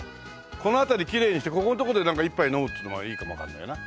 この辺りきれいにしてここのところでなんか一杯飲むっていうのもいいかもわかんないよな。